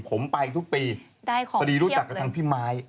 ผมไปทุกปีตอนนี้รู้จักกับถั่งพี่มาย